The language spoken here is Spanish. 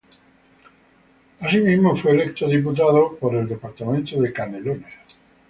Asimismo, fue electo diputado por el departamento de Canelones.